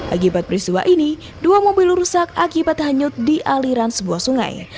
akibat peristiwa ini dua mobil rusak akibat hanyut di aliran sebuah sungai